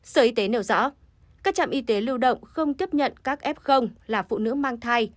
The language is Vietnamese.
sở y tế nêu rõ các trạm y tế lưu động không tiếp nhận các f là phụ nữ mang thai